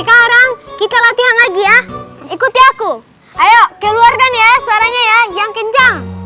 sekarang kita latihan lagi ya ikuti aku ayo keluarkan ya suaranya ya yang kencang